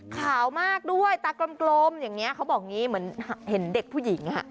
ข่าวมากด้วยตากลมเหมือนเห็นเด็กผู้หญิง